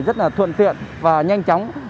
rất thuận tiện và nhanh chóng